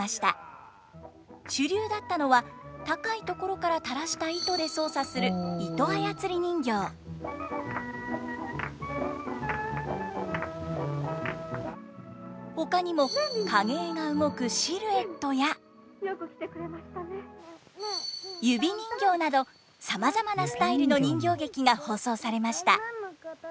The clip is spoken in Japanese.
主流だったのは高い所から垂らした糸で操作するほかにも影絵が動くシルエットや指人形などさまざまなスタイルの人形劇が放送されました。